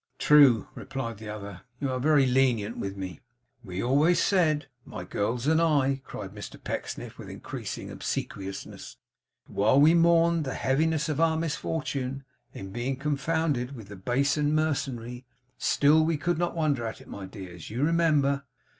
'True,' replied the other. 'You are very lenient with me.' 'We always said, my girls and I,' cried Mr Pecksniff with increasing obsequiousness, 'that while we mourned the heaviness of our misfortune in being confounded with the base and mercenary, still we could not wonder at it. My dears, you remember?